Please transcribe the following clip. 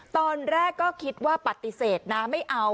ตอนแรกก็คิดว่าปฏิเสธนะไม่เอา